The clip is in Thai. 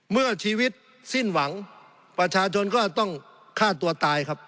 เมื่อชีวิตสิ้นหวังประชาชนก็ต้องฆ่าตัวตายครับ